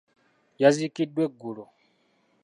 Yaziikiddwa eggulo.